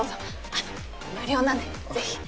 あの無料なんでぜひ。